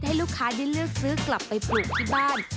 ให้ลูกค้าได้เลือกซื้อกลับไปปลูกที่บ้าน